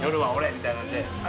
みたいな感じで。